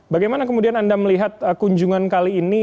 bagaimana kemudian anda melihat kunjungan kali ini